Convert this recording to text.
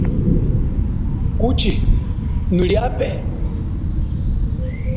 Kuchi, nuli ape?